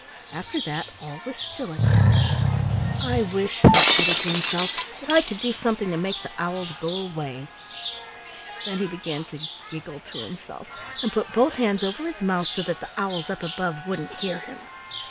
After that all was still again. "I wish," thought Teddy to himself, "that I could do something to make the owls go away." Then he began to giggle to himself, and put both hands over his mouth so that the owls up above wouldn't hear him.